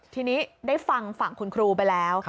ทีนี้ได้ฟังฝั่งคุณครูไปแล้ว